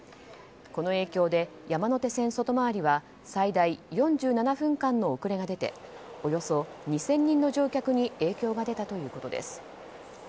この影響で山手線外回りは最大４７分間の遅れが出ておよそ２０００人の乗客に影響が出たということです。